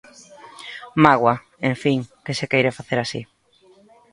Mágoa, en fin, que se queira facer así.